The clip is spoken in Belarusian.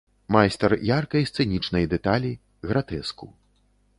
Майстар яркай сцэнічнай дэталі, гратэску.